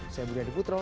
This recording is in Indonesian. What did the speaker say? saya budi hadi putro